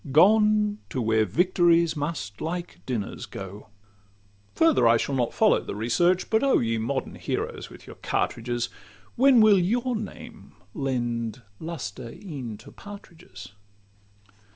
Gone to where victories must like dinners go. Farther I shall not follow the research: But oh! ye modern heroes with your cartridges, When will your names lend lustre e'en to partridges?